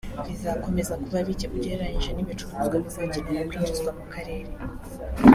bizakomeza kuba bike ugerernyije n’ibicuruzwa bizakenera kwinjizwa mu karere